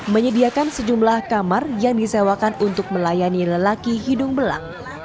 menyediakan sejumlah kamar yang disewakan untuk melayani lelaki hidung belang